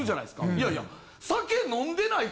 いやいや。